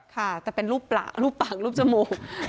ค่ะแต่เป็นรูปปากรูปจมูก